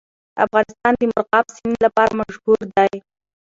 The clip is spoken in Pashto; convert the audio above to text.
افغانستان د مورغاب سیند لپاره مشهور دی.